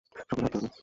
সকালে হাটতে হবে!